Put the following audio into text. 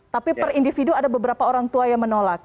tapi per individu ada beberapa orang tua yang menolak